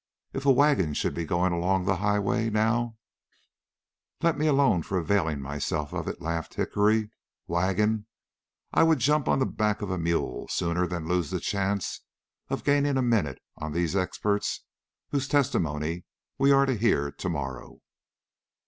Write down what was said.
If a wagon should be going along the highway, now " "Let me alone for availing myself of it," laughed Hickory. "Wagon! I would jump on the back of a mule sooner than lose the chance of gaining a minute on these experts whose testimony we are to hear to morrow.